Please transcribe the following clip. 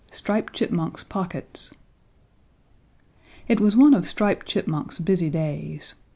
V STRIPED CHIPMUNK'S POCKETS It was one of Striped Chipmunk's busy days.